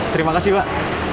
terima kasih pak